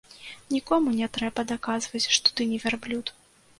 Нікому не трэба даказваць, што ты не вярблюд.